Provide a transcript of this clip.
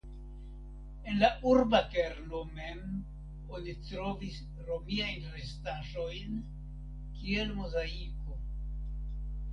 En la urba kerno mem oni trovis romiajn restaĵojn kiel mozaiko.